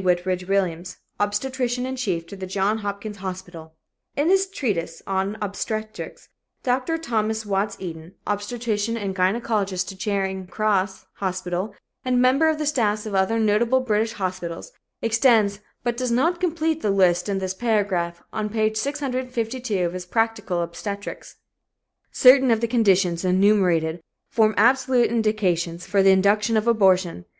Whitridge Williams, obstetrician in chief to the Johns Hopkins Hospital, in his treatise on Obstetrics. Dr. Thomas Watts Eden, obstetrician and gynecologist to Charing Cross Hospital and member of the staffs of other notable British hospitals, extends but does not complete the list in this paragraph on page 652 of his Practical Obstetrics: "Certain of the conditions enumerated form absolute indications for the induction of abortion.